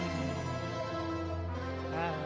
ああ